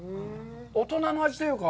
大人の味というか。